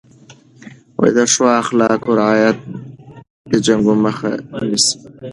د ښو اخلاقو رعایت د جنګ مخه نیسي.